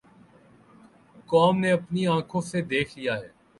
قوم نے اپنی آنکھوں سے دیکھ لیا ہے۔